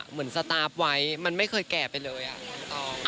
เหมือนสตาปไว้มันไม่เคยแก่ไปเลย